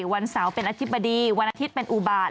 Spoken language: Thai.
วันเสาร์เป็นอธิบดีวันอาทิตย์เป็นอุบาต